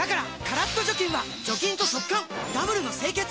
カラッと除菌は除菌と速乾ダブルの清潔！